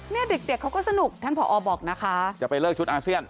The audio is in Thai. เนี่ยเด็กเด็กเขาก็สนุกท่านผอบอกนะคะจะไปเลิกชุดอาเซียน